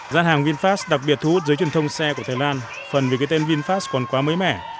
gian hàng vinfast đặc biệt thu hút giới truyền thông xe của thái lan phần vì cái tên vinfast còn quá mới mẻ